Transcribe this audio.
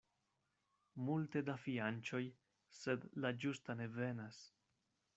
Multe da fianĉoj, sed la ĝusta ne venas.